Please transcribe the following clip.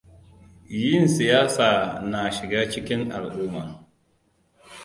Yin siyasa na shiga cikin al'uma.